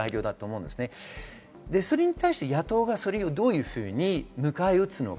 それに対して野党がどういうふうに迎えうつのか。